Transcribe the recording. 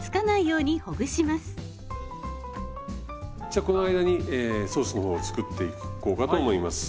じゃこの間にソースの方を作っていこうかと思います。